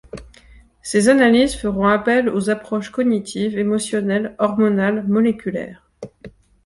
Ces analyses feront appel aux approches cognitives, émotionnelles, hormonales, moléculaires.